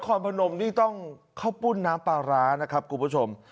พนมนี่ต้องข้าวปุ้นน้ำปลาร้านะครับคุณผู้ชม